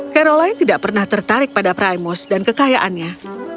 caroline tidak pernah tertarik pada primus dan kekayaannya